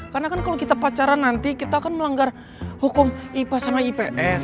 karena kan kalau kita pacaran nanti kita akan melanggar hukum ipa sama ips